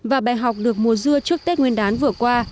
và bè học được mua dưa trước tết nguyên đán vừa qua